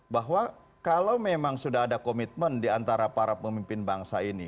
bahwa kalau memang sudah ada komitmen diantara para pemimpin bangsa ini